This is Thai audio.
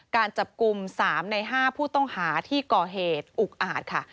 การจับกลุ่ม๓ใน๕ผู้ต้องหาที่ก่อเหตุอุกอาจค่ะ